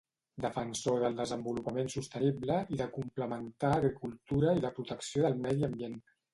Defensor del desenvolupament sostenible i de complementar agricultura i la protecció del medi ambient.